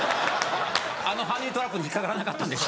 あのハニートラップに引っ掛からなかったんですよ。